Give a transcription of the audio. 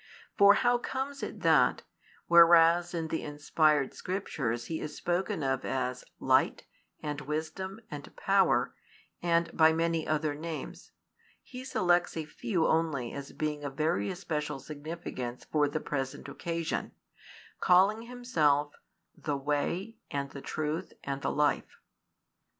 For how comes it that, whereas in the inspired Scriptures He is spoken of as Light, and Wisdom, and Power, and by many other names, He selects a few only as being of very especial significance for the present occasion, calling Himself the Way, and the Truth, and the Life?